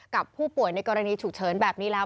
กับผู้ป่วยในกรณีฉุกเฉินแบบนี้แล้ว